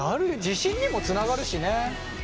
自信にもつながるしね。